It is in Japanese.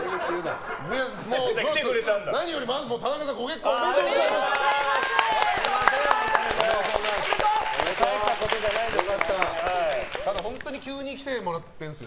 何より田中さんご結婚おめでとうございます。